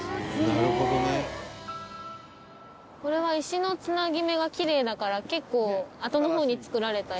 「なるほどね」これは石のつなぎ目がキレイだから結構あとの方に造られた？